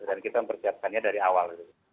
dan kita mempersiapkannya dari awal